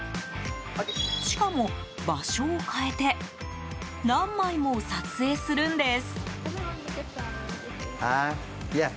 しかも、場所を変えて何枚も撮影するんです。